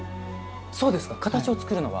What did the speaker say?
そうですか形を作るのは？